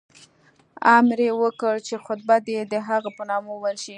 امر یې وکړ چې خطبه دې د هغه په نامه وویل شي.